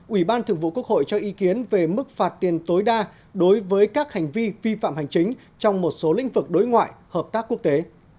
ủy ban thường vụ quốc hội cho ý kiến về mức phạt tiền tối đa đối với các hành vi vi phạm hành chính trong một số lĩnh vực đối ngoại hợp tác quốc tế